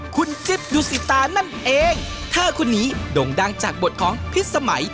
คุณจิ๊บดูสิตานั่นเองเธอคนนี้โด่งดังจากบทของพิษสมัย